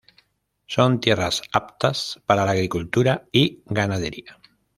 Son tierras aptas para la agricultura y ganadería.